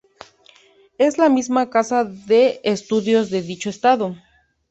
Es la máxima casa de estudios de dicho estado.